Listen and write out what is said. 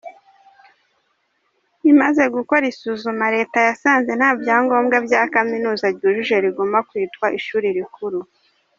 Imaze gukora isuzuma, Leta yasanze nta byangombwa bya kamibuza ryujuje riguma kwitwa ishuri rikuru.